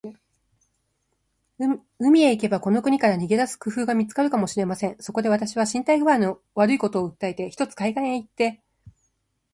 海へ行けば、この国から逃げ出す工夫が見つかるかもしれません。そこで、私は身体工合の悪いことを訴えて、ひとつ海岸へ行って